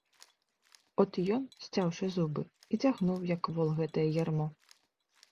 От ён, сцяўшы зубы, і цягнуў, як вол, гэтае ярмо.